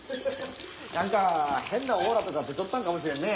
何か変なオーラとか出とったんかもしれんね。